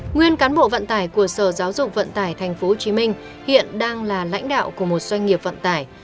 nguyên cán bộ vận tải của sở giáo dục vận tải tp hcm hiện đang là lãnh đạo của một doanh nghiệp vận tải